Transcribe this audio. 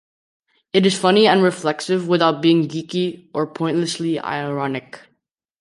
It is funny and reflexive without being geeky or pointlessly ironic.